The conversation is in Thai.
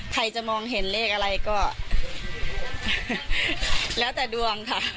ใครจะมองเห็นเลขอะไรก็แล้วแต่ดวงค่ะ